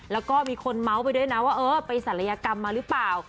แล้วก็มีคนเมาส์ไปด้วยนะว่าเออไปศัลยกรรมมาหรือเปล่า